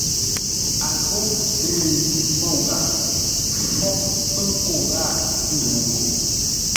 A ghô ə̂ŋ môu ghâa fwôghʼ pə̌ nkô ghâa ndəu ghô.